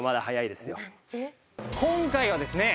今回はですね